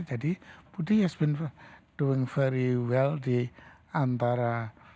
jadi putih has been doing very well di antara